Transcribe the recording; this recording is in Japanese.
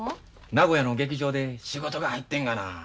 名古屋の劇場で仕事が入ってんがな。